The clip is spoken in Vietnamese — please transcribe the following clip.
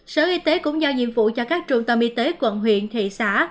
sở y tế cũng giao nhiệm vụ cho các trung tâm y tế quận huyện thị xã